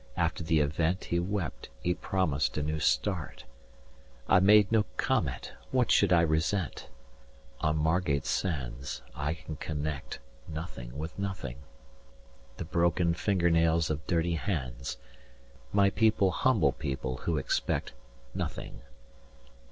After the event He wept. He promised 'a new start.' I made no comment. What should I resent?" "On Margate Sands. 300 I can connect Nothing with nothing. The broken finger nails of dirty hands. My people humble people who expect Nothing."